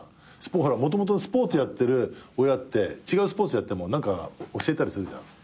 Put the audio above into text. もともとスポーツやってる親って違うスポーツやっても何か教えたりするじゃん。